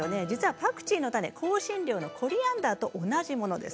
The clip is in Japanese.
パクチーの種は香辛料のコリアンダーと同じものです。